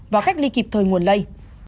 và cách ly kịp thời nguồn lây